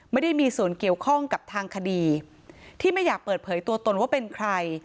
ไม่ได้มีส่วนเกี่ยวข้องกับทางคดีที่ไม่อยากเปิดเผยตัวตนว่าเป็นใคร